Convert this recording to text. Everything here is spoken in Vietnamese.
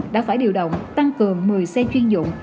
đã phải điều động tăng cường một mươi xe chuyên dụng